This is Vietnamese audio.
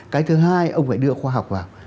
cái thứ hai ông phải đưa khoa học vào